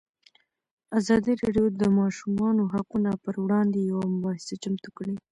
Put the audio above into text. ازادي راډیو د د ماشومانو حقونه پر وړاندې یوه مباحثه چمتو کړې.